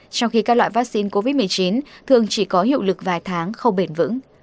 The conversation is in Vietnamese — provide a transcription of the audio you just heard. trong khi các loại vaccine covid một mươi chín thường chỉ có hiệu lực vài tháng không bền vững